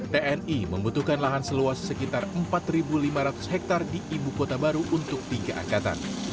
tni membutuhkan lahan seluas sekitar empat lima ratus hektare di ibu kota baru untuk tiga angkatan